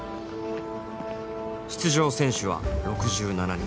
出場選手は６７人。